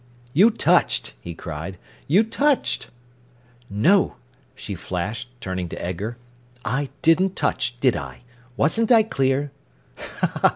"You touched!" he cried. "You touched!" "No!" she flashed, turning to Edgar. "I didn't touch, did I? Wasn't I clear?"